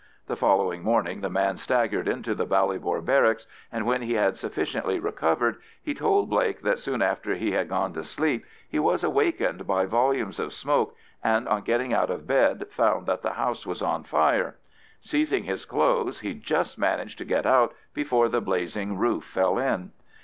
The following morning the man staggered into the Ballybor Barracks, and when he had sufficiently recovered, he told Blake that soon after he had gone to sleep he was awakened by volumes of smoke, and on getting out of bed found that the house was on fire. Seizing his clothes, he just managed to get out before the blazing roof fell in.